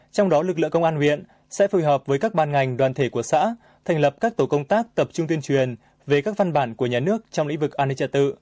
trong đó lực lượng công an huyện sẽ phối hợp với các ban ngành đoàn thể của xã thành lập các tổ công tác tập trung tuyên truyền về các văn bản của nhà nước trong lĩnh vực an ninh trật tự